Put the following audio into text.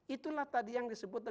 itulah tadi yang disebut